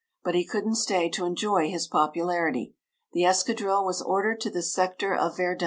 But he couldn't stay to enjoy his popularity. The escadrille was ordered to the sector of Verdun.